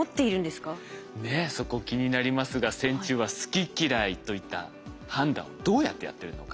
ねっそこ気になりますが線虫は「好き・嫌い」といった判断をどうやってやってるのか。